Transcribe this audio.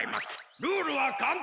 ルールはかんたんです。